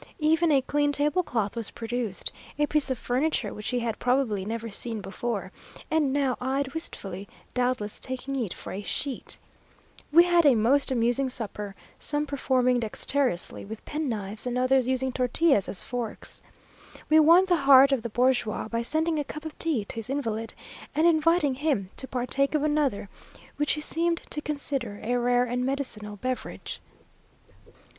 Even a clean tablecloth was produced; a piece of furniture which he had probably never seen before, and now eyed wistfully, doubtless taking it for a sheet. We had a most amusing supper, some performing dexterously with penknives, and others using tortillas as forks. We won the heart of the bourgeois by sending a cup of tea to his invalid, and inviting him to partake of another, which he seemed to consider a rare and medicinal beverage.